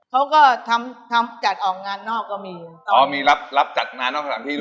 เขาก็ทำทำจัดออกงานนอกก็มีอ๋อมีรับรับจัดงานนอกสถานที่เลย